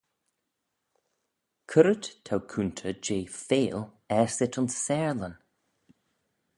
C'red t'ou coontey jeh feill aasit ayns seyrlan?